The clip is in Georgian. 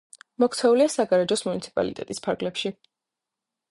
მოქცეულია საგარეჯოს მუნიციპალიტეტის ფარგლებში.